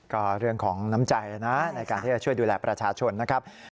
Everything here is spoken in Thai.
ก็เรื่องของน้ำใจนะในการที่จะช่วยดูแลประชาชนนะครับ